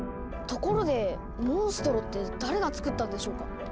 ところでモンストロって誰が作ったんでしょうか？